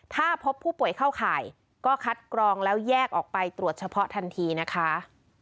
ถ้าพบผู้ป่วยเข้าข่ายก็คัดกรองแล้วแยกออกไปตรวจเฉพาะทันทีนะคะ